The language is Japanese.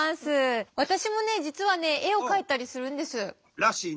私もね実はね絵を描いたりするんです。らしいね。